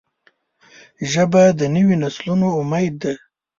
ژبه د نوي نسلونو امید ده